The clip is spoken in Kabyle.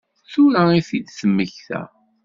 Tura i t-id-temmekta?